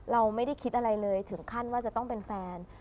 เราไม่ได้คิดอะไรเลยถึงขั้นว่าจะต้องเป็นแฟน